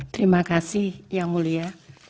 terima kasih yang mulia